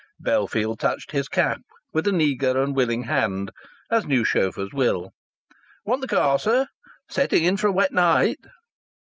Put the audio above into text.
Bellfield touched his cap with an eager and willing hand, as new chauffeurs will. "Want the car, sir?... Setting in for a wet night!"